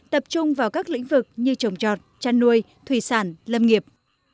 tập trung vào các lĩnh vực như trồng trọt chăn nuôi thủy sản lâm nghiệp